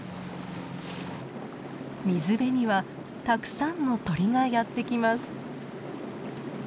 水辺にはたくさんの鳥がやって来ます。